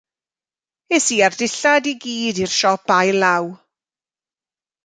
Es i â'r dillad i gyd i'r siop ail law.